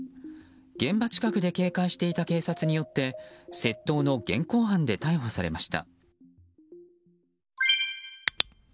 現場近くで警戒していた警察によって窃盗の現行犯で逮捕されました。